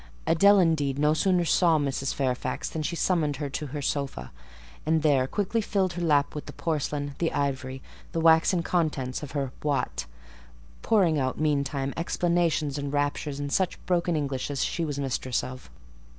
Adèle, indeed, no sooner saw Mrs. Fairfax, than she summoned her to her sofa, and there quickly filled her lap with the porcelain, the ivory, the waxen contents of her "boite;" pouring out, meantime, explanations and raptures in such broken English as she was mistress of.